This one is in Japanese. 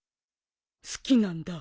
好きなんだ。